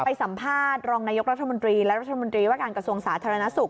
ไปสัมภาษณ์รองนายกรัฐมนตรีและรัฐมนตรีว่าการกระทรวงสาธารณสุข